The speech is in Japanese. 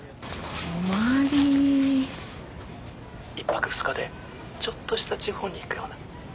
１泊２日でちょっとした地方に行くような。